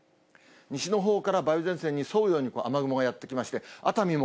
西のほうから梅雨前線に沿うように雨雲がやって来まして、熱海も